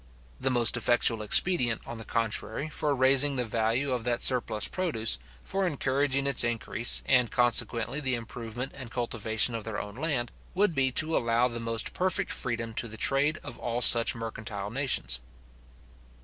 The most effectual expedient, on the contrary, for raising the value of that surplus produce, for encouraging its increase, and consequently the improvement and cultivation of their own land, would be to allow the most perfect freedom to the trade of all such mercantile nations.